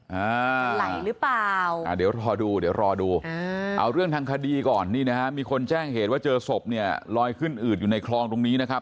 ไหลหรือเปล่าอ่าเดี๋ยวรอดูเดี๋ยวรอดูเอาเรื่องทางคดีก่อนนี่นะฮะมีคนแจ้งเหตุว่าเจอศพเนี่ยลอยขึ้นอืดอยู่ในคลองตรงนี้นะครับ